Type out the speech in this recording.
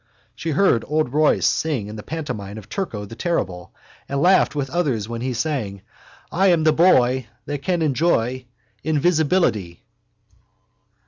She heard old Royce sing in the pantomime of Turko the Terrible and laughed with others when he sang: I am the boy That can enjoy Invisibility.